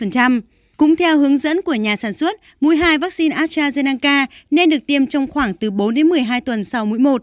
cũng theo hướng dẫn của nhà sản xuất mũi hai vaccine astrazeneca nên được tiêm trong khoảng từ bốn đến một mươi hai tuần sau mũi một